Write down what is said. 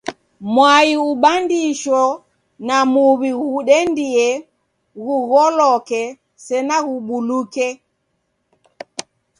Mwai ubandisho na muw'i ghudendie, ghung'oloke, sena ghubuluke.